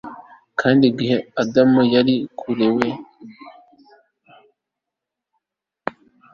Kandi igihe Adamu yari kuri we